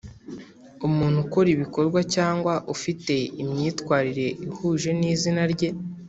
umuntu ukora ibikorwa cyangwa ufite imyitwarire ihuje n’izina rye